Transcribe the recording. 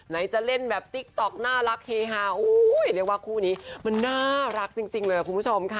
จะเล่นแบบติ๊กต๊อกน่ารักเฮฮาโอ้เรียกว่าคู่นี้มันน่ารักจริงเลยคุณผู้ชมค่ะ